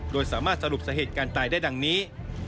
โดยสามารถสรุปสาเหตุการตายได้ดังนี้